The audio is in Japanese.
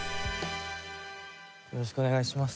よろしくお願いします。